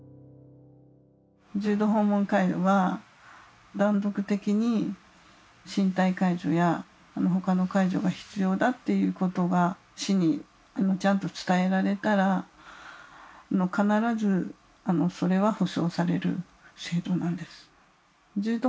重度訪問介護は断続的に身体介助や他の介助が必要だっていうことが市にちゃんと伝えられたら必ずそれは保障される制度なんです。